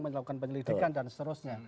melakukan penyelidikan dan seterusnya